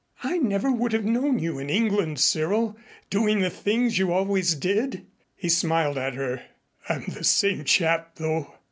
I never would have known you in England, Cyril, doing the things you always did." He smiled at her. "I'm the same chap, though.